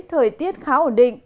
thời tiết khá ổn định